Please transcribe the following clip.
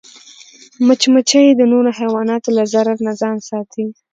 مچمچۍ د نورو حیواناتو له ضرر نه ځان ساتي